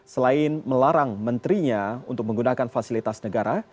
selain melarang menterinya untuk menggunakan fasilitas negara